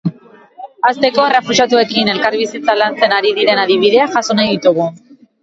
Hasteko, errefuxiatuekin elkarbizitza lantzen ari diren adibideak jaso nahi ditugu.